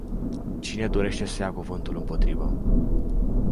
Cine dorește să ia cuvântul împotriva?